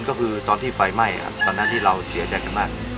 ก็คือตอนที่ไฟไหม้ครับตอนนั้นที่เราเสียใจกันมาก